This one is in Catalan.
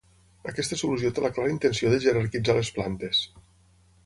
Aquesta solució té la clara intenció de jerarquitzar les plantes.